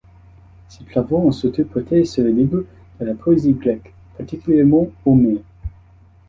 Ses travaux ont surtout porté sur le début de la poésie grecque, particulièrement Homère.